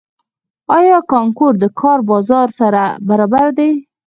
آیا کانکور د کار بازار سره برابر دی؟